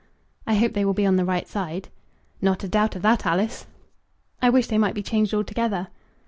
"I hope they will be on the right side." "Not a doubt of that, Alice." "I wish they might be changed altogether."